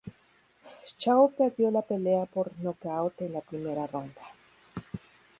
Schaub perdió la pelea por nocaut en la primera ronda.